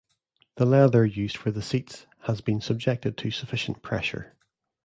The leather used for the seats has been subjected to sufficient pressure.